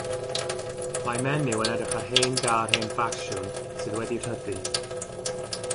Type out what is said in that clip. Mae menyw yn edrych ar hen gar hen ffasiwn sydd wedi rhydu.